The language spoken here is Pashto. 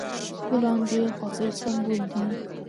ګلان د خوښۍ سمبول دي.